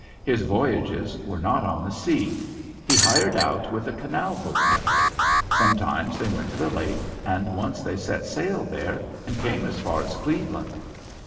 His voyages were not on the sea. He "hired out" with a canal boatman. Sometimes they went to the lake, and once they set sail there and came as far as Cleveland.